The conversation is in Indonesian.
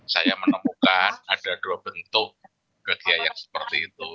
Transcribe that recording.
saya menemukan ada dua bentuk kegiatan seperti itu